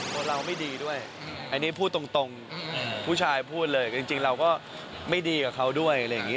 ตัวเราไม่ดีด้วยอันนี้พูดตรงผู้ชายพูดเลยจริงเราก็ไม่ดีกับเขาด้วยอะไรอย่างนี้